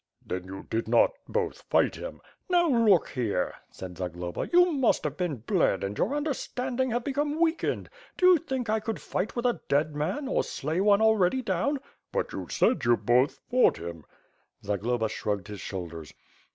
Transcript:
"Then you did not both fight him?" "Now, look here;" said Zagloba, "you must have been bled and your understanding have become weakened. Do you think I could fight with a dead man, or slay one already down?" "But you said you both fought him." Zagloba shrugged his shoulders.